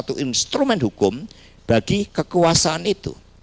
ini adalah instrumen hukum bagi kekuasaan itu